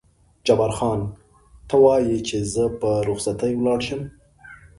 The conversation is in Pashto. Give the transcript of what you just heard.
جبار خان: ته وایې چې زه په رخصتۍ ولاړ شم؟